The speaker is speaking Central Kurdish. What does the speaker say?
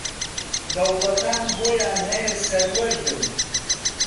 دەوڵەتان بۆیان ھەیە سەروەر بن